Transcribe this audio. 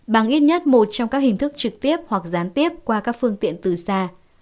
bằng ít nhất một trong các hình thức trực tiếp hoặc gián tiếp qua các phương tiện từ xa